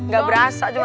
gak berasa cuma